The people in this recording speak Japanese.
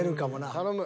頼む。